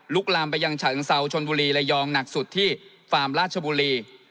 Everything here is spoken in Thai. ลามไปยังฉะเชิงเซาชนบุรีระยองหนักสุดที่ฟาร์มราชบุรี